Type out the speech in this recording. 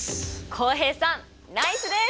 浩平さんナイスです！